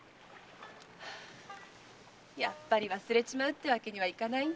やっぱり忘れちまうってわけにはいかないんですね。